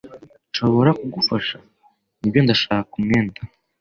"Nshobora kugufasha?" "Nibyo, ndashaka umwenda."